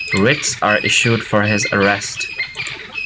Writs are issued for his arrest.